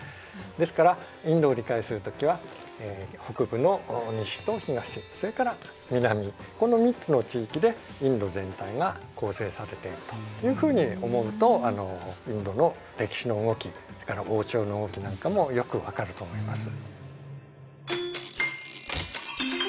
ですからインドを理解する時は北部の西と東それから南この３つの地域でインド全体が構成されているというふうに思うとインドの歴史の動きそれから王朝の動きなんかもよく分かると思います。